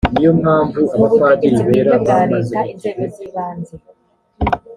mu butegetsi bwite bwa leta inzego z ibanze